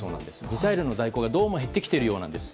ミサイルの在庫がどうも減ってきているようなんです。